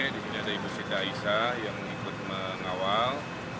di sini ada ibu sita aisyah yang mengikut mengawal